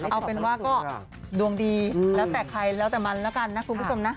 เอาเป็นว่าก็ดวงดีแล้วแต่ใครแล้วแต่มันแล้วกันนะคุณผู้ชมนะ